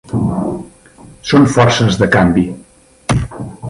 Són forces de canvi.